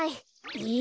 えっ？